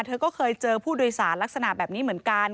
เธอก็เคยเจอผู้โดยสารลักษณะแบบนี้เหมือนกัน